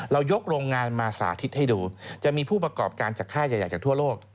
ยกโรงงานมาสาธิตให้ดูจะมีผู้ประกอบการจากค่ายใหญ่จากทั่วโลก